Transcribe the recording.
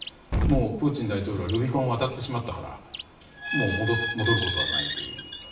プーチン大統領にルビコンを渡ってしまったから戻ることはないという。